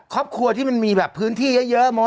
ครอบครัวที่มันมีแบบพื้นที่เยอะ